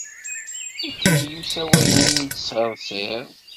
Ikemmel usawal-nni yettsersir.